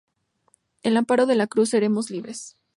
Al amparo de la Cruz seremos libres".